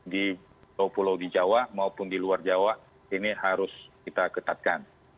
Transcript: di pulau di jawa maupun di luar jawa ini harus kita ketatkan